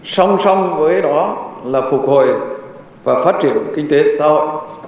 song song với đó là phục hồi và phát triển kinh tế xã hội